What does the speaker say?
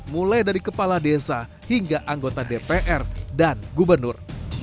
mulai dari kepala desa hingga anggota dpr dan gubernur